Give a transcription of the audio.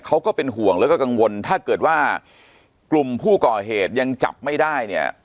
ก็เป็นห่วงแล้วก็กังวลถ้าเกิดว่ากลุ่มผู้ก่อเหตุยังจับไม่ได้เนี่ย